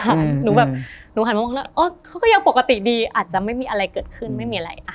หนูแบบหนูหันมามองแล้วเขาก็ยังปกติดีอาจจะไม่มีอะไรเกิดขึ้นไม่มีอะไร